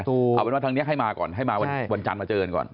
เอาเป็นว่าทางนี้ให้มาก่อนให้มาวันจันทร์มาเจอกันก่อน